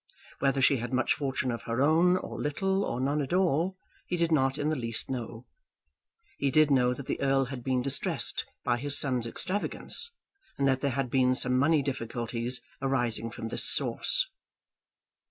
Whether she had much fortune of her own, or little, or none at all, he did not in the least know. He did know that the Earl had been distressed by his son's extravagance, and that there had been some money difficulties arising from this source.